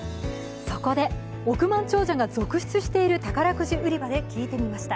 そこで、億万長者が続出している宝くじ売り場で聞いてみました。